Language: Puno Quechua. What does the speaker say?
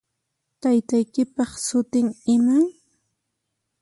Taytaykipaq sutin iman?